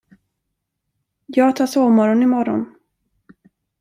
Jag tar sovmorgon i morgon.